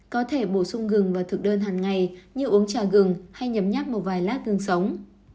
có thể bổ sung gừng vào thực đơn hàng ngày như uống trà gừng hay nhấm nhát một vài lát gừng sống